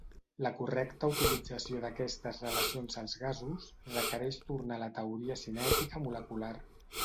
La correcta utilització d'aquestes relacions als gasos requereix tornar a la teoria cinètica molecular.